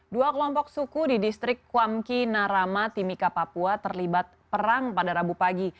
dua kelompok suku di distrik kuamki narama timika papua terlibat perang pada rabu pagi